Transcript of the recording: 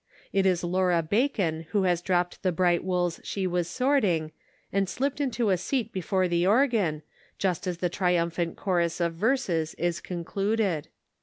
It is Laura Bacon who has dropped the bright wools she was sorting, and slipped into a seat before the organ, just as the triumphant chorus of verses is concluded.